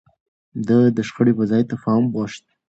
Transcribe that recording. ده د شخړې پر ځای تفاهم غوښت.